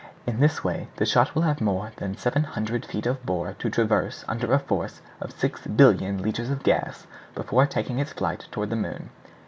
In this way the shot will have more than 700 feet of bore to traverse under a force of 6,000,000,000 litres of gas before taking its flight toward the moon."